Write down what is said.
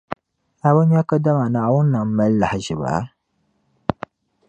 A bi nya kadama Naawuni nam mali lahaʒiba?